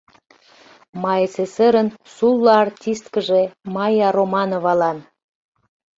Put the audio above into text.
МАССР-ын сулло артисткыже Майя Романовалан